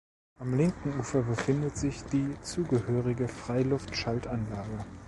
Am linken Ufer befindet sich die zugehörige Freiluft-Schaltanlage.